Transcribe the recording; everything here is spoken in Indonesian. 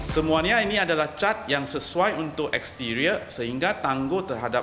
semuanya ini adalah cat yang sesuai untuk exterior sehingga tangguh terhadap